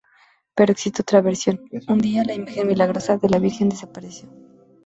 Pero existe otra versión: Un día, la imagen milagrosa de la Virgen desapareció.